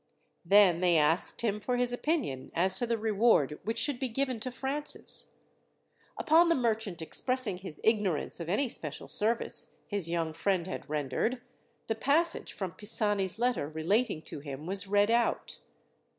Then they asked him for his opinion as to the reward which should be given to Francis. Upon the merchant expressing his ignorance of any special service his young friend had rendered, the passage from Pisani's letter relating to him was read out.